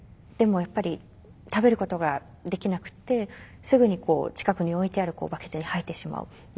でもやっぱり食べることができなくてすぐに近くに置いてあるバケツに吐いてしまう。